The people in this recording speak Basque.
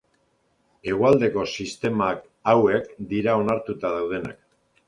Hegoaldeko sistemak hauek dira onartuta daudenak.